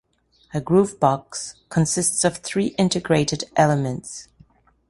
A groovebox consists of three integrated elements.